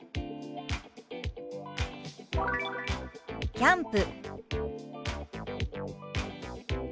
「キャンプ」。